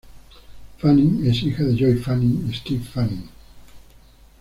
Fanning es hija de Joy Fanning y Steve Fanning.